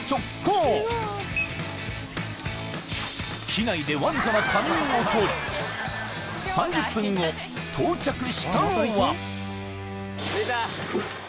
機内でわずかな仮眠をとり３０分後到着したのは着いた。